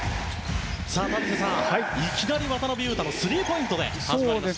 田臥さん、いきなり渡邊雄太のスリーポイントで始まりました。